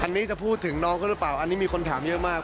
อันนี้จะพูดถึงน้องเขาหรือเปล่าอันนี้มีคนถามเยอะมาก